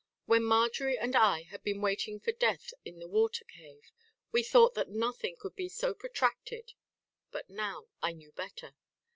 When Marjory and I had been waiting for death in the water cave, we thought that nothing could be so protracted; but now I knew better.